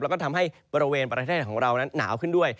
แล้วก็ทำให้บริเวณประเทศของเรานั้นหนาวขึ้นด้วย